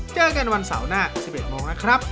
เจอกันวันเสาร์หน้า๑๑โมงนะครับ